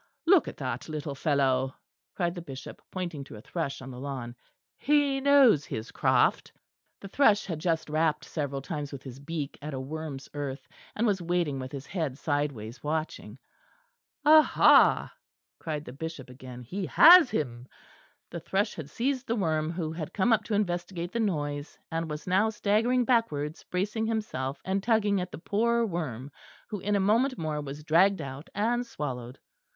"Look at that little fellow!" cried the Bishop, pointing to a thrush on the lawn, "he knows his craft." The thrush had just rapped several times with his beak at a worm's earth, and was waiting with his head sideways watching. "Aha!" cried the Bishop again, "he has him." The thrush had seized the worm who had come up to investigate the noise, and was now staggering backwards, bracing himself, and tugging at the poor worm, who, in a moment more was dragged out and swallowed.